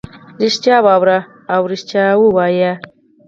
ریښتیا واوري او ریښتیا ووایي.